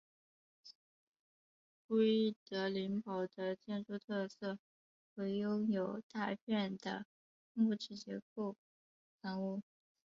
奎德林堡的建筑特色为拥有大片的木质结构房屋。